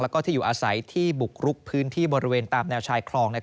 แล้วก็ที่อยู่อาศัยที่บุกรุกพื้นที่บริเวณตามแนวชายคลอง